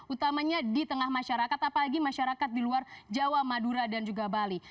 utamanya di tengah masyarakat apalagi masyarakat di luar jawa madura dan juga bali